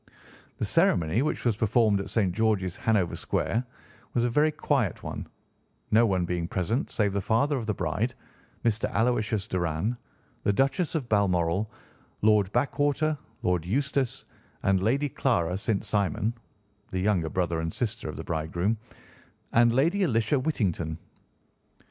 "'The ceremony, which was performed at St. George's, Hanover Square, was a very quiet one, no one being present save the father of the bride, Mr. Aloysius Doran, the Duchess of Balmoral, Lord Backwater, Lord Eustace and Lady Clara St. Simon (the younger brother and sister of the bridegroom), and Lady Alicia Whittington.